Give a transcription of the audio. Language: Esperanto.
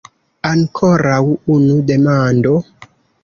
Ankoraŭ unu demando!